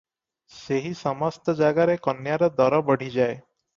ସେହି ସମସ୍ତ ଜାଗାରେ କନ୍ୟାର ଦର ବଢ଼ିଯାଏ ।